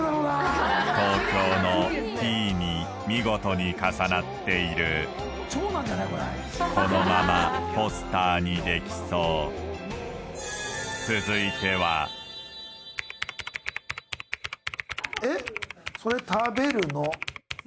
ＴＯＫＹＯのＴに見事に重なっているこのままポスターにできそう続いては何食べるの？